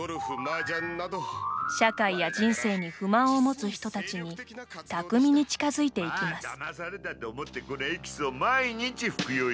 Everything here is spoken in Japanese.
社会や人生に不満を持つ人たちに巧みに近づいていきます。